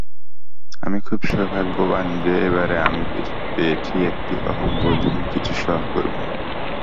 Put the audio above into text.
আমি খুব সৌভাগ্যবান যে এবারে আমি পেয়েছি একটি অহংবোধহীন কিছু সহকর্মী।